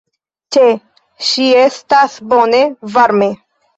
Ĉe ŝi estas bone, varme.